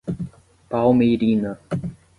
Palmeirina